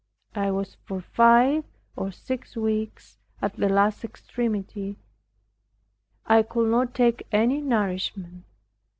I was for five or six weeks at the last extremity. I could not take any nourishment.